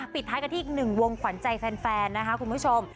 ปิดท้ายกันที่อีกหนึ่งวงขวัญใจแฟนนะคะคุณผู้ชม